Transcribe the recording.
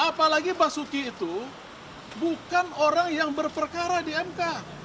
apalagi basuki itu bukan orang yang berperkara di mk